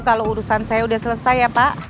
kalau urusan saya sudah selesai ya pak